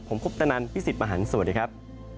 ผมคุปตนันพี่สิทธิ์มหันฯสวัสดีครับ